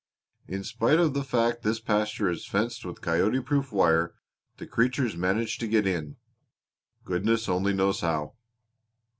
In spite of the fact this pasture is fenced with coyote proof wire the creatures manage to get in goodness only knows how."